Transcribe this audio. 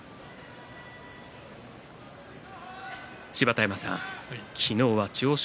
芝田山さん、昨日は千代翔